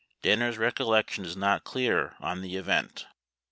Danner's recollection is not clear on the event.